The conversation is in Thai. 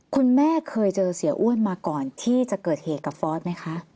คุณแม่เคยเจอเสียอ้วนมาก่อนที่จะเกิดเหตุกับฟอสไหมคะ